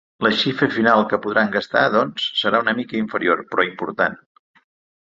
La xifra final que podran gastar, doncs, serà una mica inferior, però important.